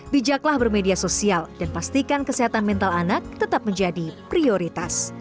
bijaklah bermedia sosial dan pastikan kesehatan mental anak tetap menjadi prioritas